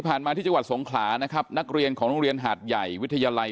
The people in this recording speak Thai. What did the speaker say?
มาที่จังหวัดสงขลานะครับนักเรียนของโรงเรียนหาดใหญ่วิทยาลัย